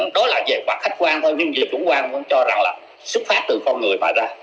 đó là về mặt khách quan thôi nhưng về chủ quan vẫn cho rằng là xuất phát từ con người mà ra